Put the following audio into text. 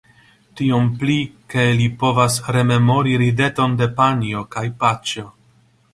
Tiom pli, ke li povas rememori rideton de panjo kaj paĉjo.